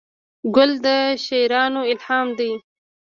ګل د شاعرانو الهام دی.